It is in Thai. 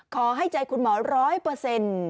ขอให้ใจคุณหมอร้อยเปอร์เซ็นต์